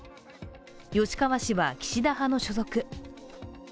吉川氏は岸田派の所属。